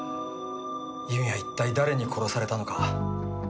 由美は一体誰に殺されたのか。